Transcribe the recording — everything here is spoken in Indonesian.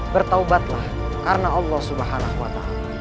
bertawabatlah karena allah swt